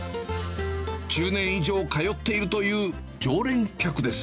１０年以上通っているという常連客です。